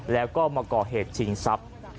แล้วก็มาก่อเหตุชิงทรัพย์